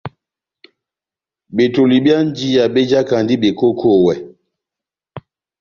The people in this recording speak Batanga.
Betoli byá njiya bejakandi bekokowɛ.